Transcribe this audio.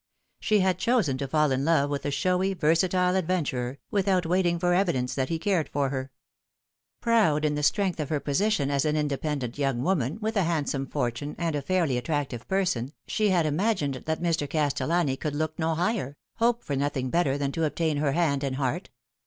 She had chosen to fall in love with a showy, versatile adventurer, without waiting for evidence that he cared for her. Proud in the strength of her position as an inde pendent young woman with a handsome fortune and a fairly attractive person, she had imagined that Mr. Castellani could look no higher, hope for nothing better than to obtain her hand and heart.